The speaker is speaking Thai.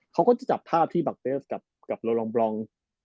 เขาก็จะจับภาพที่บักเตสกับโลลองบลอง